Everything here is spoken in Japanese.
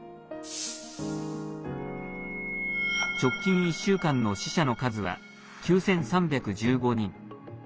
直近１週間の死者の数は９３１５人。